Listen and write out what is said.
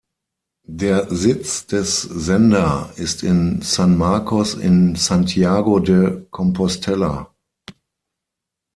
Der Sitz des Sender ist in San Marcos in Santiago de Compostela.